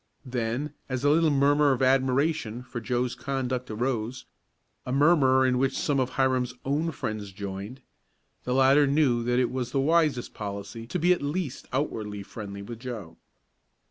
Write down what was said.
Then as a little murmur of admiration for Joe's conduct arose a murmur in which some of Hiram's own friends joined the latter knew that it was the wisest policy to be at least outwardly friendly with Joe.